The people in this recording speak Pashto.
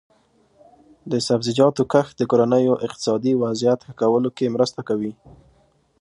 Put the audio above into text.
د سبزیجاتو کښت د کورنیو اقتصادي وضعیت ښه کولو کې مرسته کوي.